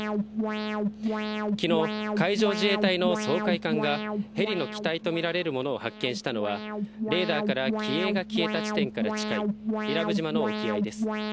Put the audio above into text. きのう、海上自衛隊の掃海艦が、ヘリの機体と見られるものを発見したのは、レーダーから機影が消えた地点から近い伊良部島の沖合です。